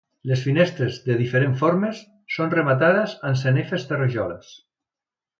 Les finestres, de diferents formes, són rematades amb sanefes de rajoles.